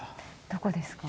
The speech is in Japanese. どこですか？